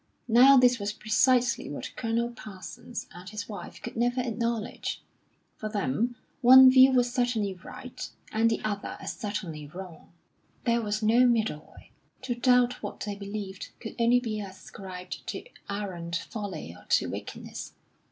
Now this was precisely what Colonel Parsons and his wife could never acknowledge; for them one view was certainly right, and the other as certainly wrong. There was no middle way. To doubt what they believed could only be ascribed to arrant folly or to wickedness.